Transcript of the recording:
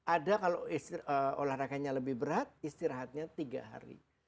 ada kalau olahraganya lebih berat istirahatnya tiga hari